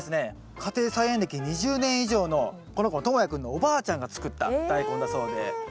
家庭菜園歴２０年以上のこの子ともや君のおばあちゃんが作ったダイコンだそうで。え。